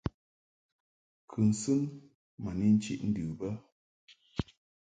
Kǔnsun ma ni nchiʼ ndɨ bə.